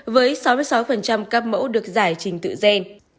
với sáu mươi sáu các mẫu được giải trình tự gen